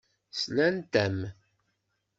Slant-am.